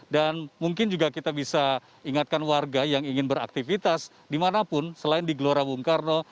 dan mungkin juga kita bisa ingatkan warga yang ingin beraktivitas dimanapun selain di glora bung karno